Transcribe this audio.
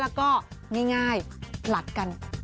แล้วก็ง่ายหลัดกัน